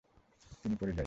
তিনি পড়ে যাই।